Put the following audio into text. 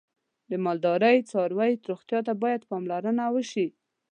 د مالدارۍ څاروی روغتیا ته باید پاملرنه وشي.